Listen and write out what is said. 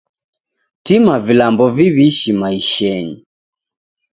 Tima vilambo viwishi maishenyi.